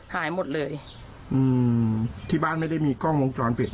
หายหมดเลยที่บ้านไม่ได้มีกล้องวงจรปิดหรือไหม